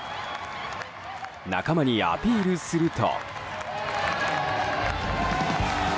仲間にアピールすると。